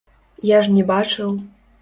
Я ж не бачыў.